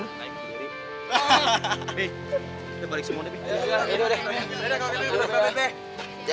iya pak kasi ya